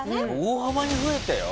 大幅に増えたよ。